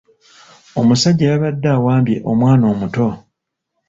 Omusajja yabadde awambye omwana omuto.